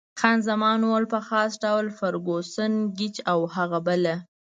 خان زمان وویل: په خاص ډول فرګوسن، ګېج او هغه بله.